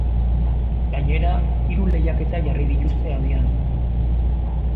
Gainera, hiru lehiaketa jarri dituzte abian.